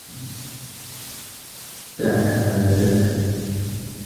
دَعَعها تذهب.